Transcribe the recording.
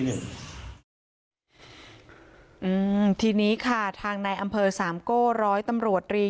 อืมทีนี้ค่ะทางในอำเภอสามโก้ร้อยตำรวจรี